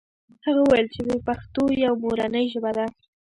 هغه وویل چې پښتو یې مورنۍ ژبه ده.